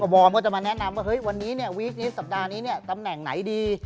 วอร์มก็จะมาแนะนำว่าเฮ้ยวันนี้เนี่ยวีคนี้สัปดาห์นี้เนี่ยตำแหน่งไหนดี